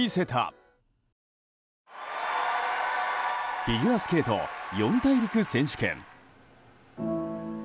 フィギュアスケート四大陸選手権。